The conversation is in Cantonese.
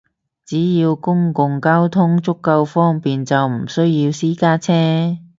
只要公共交通足夠方便，就唔需要私家車